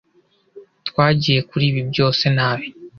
Twagiye kuri ibi byose nabi.